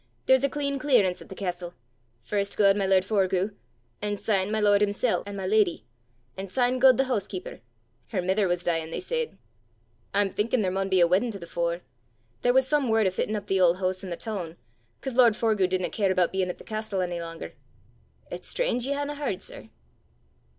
There's a clean clearance at the castel. First gaed my lord Forgue, an' syne my lord himsel' an' my leddy, an' syne gaed the hoosekeeper her mither was deein', they said. I'm thinkin' there maun be a weddin' to the fore. There was some word o' fittin' up the auld hoose i' the toon, 'cause lord Forgue didna care aboot bein' at the castel ony langer. It's strange ye haena h'ard, sir!"